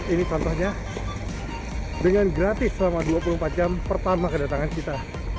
ini contohnya dengan gratis selama dua puluh empat jam pertama kedatangan kita